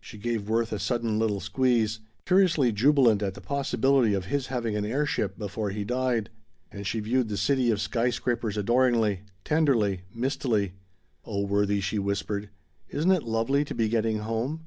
She gave Worth a sudden little squeeze, curiously jubilant at the possibility of his having an air ship before he died. And she viewed the city of sky scrapers adoringly tenderly mistily. "Oh Worthie," she whispered, "isn't it lovely to be getting home?"